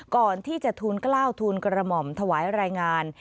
ก่อนที่จะทูลกล้าวทูลกระหม่อมถวายรายงาน